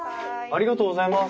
ありがとうございます。